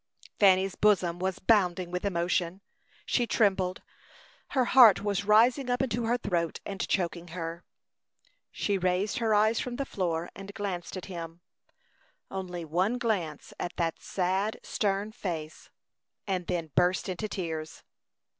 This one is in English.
Fanny's bosom was bounding with emotion. She trembled; her heart was rising up into her throat, and choking her. She raised her eyes from the floor and glanced at him, only one glance at that sad, stern face, and then burst into tears.